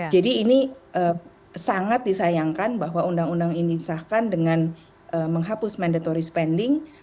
jadi ini sangat disayangkan bahwa undang undang ini disahkan dengan menghapus mandatory spending